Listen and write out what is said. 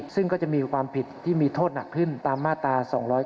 ซึ่งก็จะมีความผิดที่มีโทษหนักขึ้นตามมาตรา๒๗